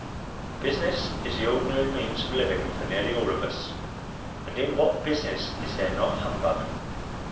Business is the ordinary means of living for nearly all of us. And in what business is there not humbug?